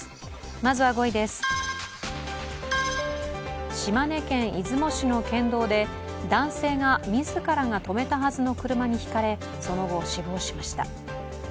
まずは５位です、島根県出雲市の県道で、男性が自らが止めたはずの車にひかれ、その後、死亡しました。